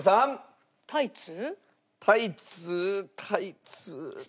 タイツタイツ。